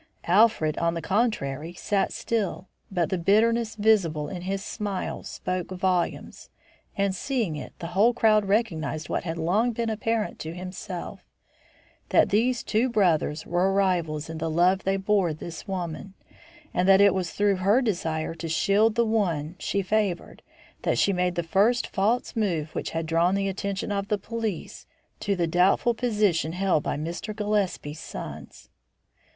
Alfred, on the contrary, sat still, but the bitterness visible in his smile spoke volumes, and, seeing it, the whole crowd recognised what had long been apparent to myself, that these two brothers were rivals in the love they bore this woman, and that it was through her desire to shield the one she favoured, that she made the first false move which had drawn the attention of the police to the doubtful position held by Mr. Gillespie's sons.